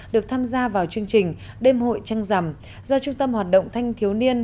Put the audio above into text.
được tham gia vào chương trình đêm hội trăng rằm do trung tâm hoạt động thanh thiếu niên